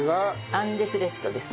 アンデスレッドですね。